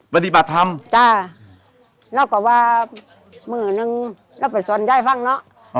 ปฏิบัติทำจ้าแล้วก็ว่ามือหนึ่งเราไปสอนย่ายฟังเนอะอ๋อ